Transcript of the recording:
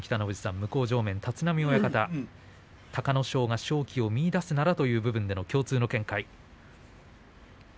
向正面、立浪親方、隆の勝が勝機を見いだすならという共通の見解。